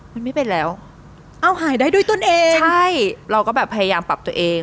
มันไม่เป็นแล้วเอาหายได้ด้วยตนเองใช่เราก็แบบพยายามปรับตัวเอง